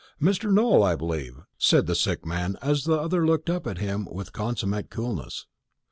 "Mr. Nowell, I believe," said the sick man, as the other looked up at him with consummate coolness.